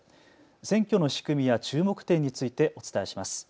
選挙の仕組みや注目点についてお伝えします。